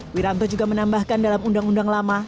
wiranto juga menambahkan dalam undang undang lama